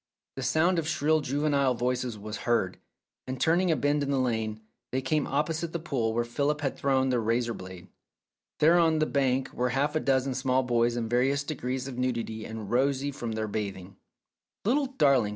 " The sound of shrill juvenile voices was heard, and turning a bend in the lane, they came opposite the pool where Philip had thrown the razor blade. There on the bank were half a dozen small boys in various degrees of nudity, and rosy from their bathing. 302 Philip's Safety Razor "Little darlings!"